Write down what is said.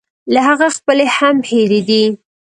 له هغه خپلې هم هېرې دي.